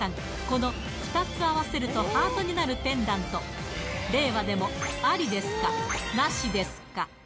この２つ合わせるとハートになるペンダント令和でもありでしょうか